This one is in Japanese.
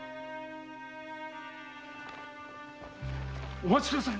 お待ちください